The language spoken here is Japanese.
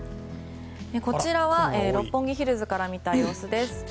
こちらは六本木ヒルズから見た様子です。